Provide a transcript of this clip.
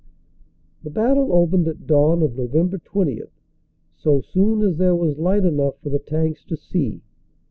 The battle opened at dawn of Nov. 20, so soon as there was light enough for the tanks to see.